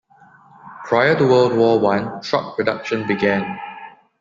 Prior to World War One truck production began.